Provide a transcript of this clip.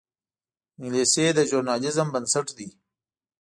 انګلیسي د ژورنالیزم بنسټ ده